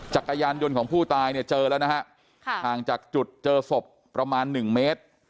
จักรยานยนต์ของผู้ตายเนี่ยเจอแล้วนะฮะห่างจากจุดเจอศพประมาณหนึ่งเมตร